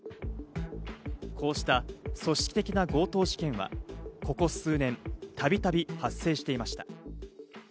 こうした組織的な強盗事件は、ここ数年、たびたび発生していました。